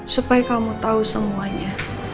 supaya kamu tau semuanya